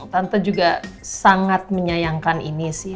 tante juga sangat menyayangkan ini sih